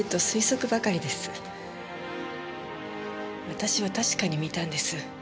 私は確かに見たんです。